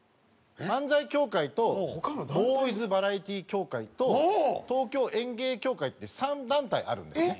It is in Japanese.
漫才協会とボーイズ・バラエティー協会と東京演芸協会っていう３団体があるんですね。